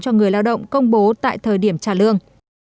cho người lao động công bố tại thời điểm trả lương